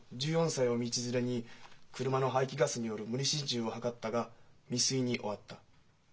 １４歳を道連れに車の排気ガスによる無理心中を図ったが未遂に終わった。